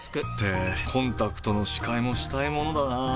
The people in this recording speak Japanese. ってコンタクトの視界もしたいものだなぁ。